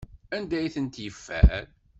Anda ay ten-yeffer?